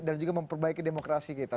dan juga memperbaiki demokrasi kita